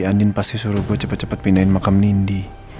andin pasti suruh gue cepet cepet pindahin makam nindi